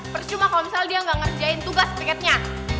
percuma kalo misalnya dia ga ngerjain tugas piketnya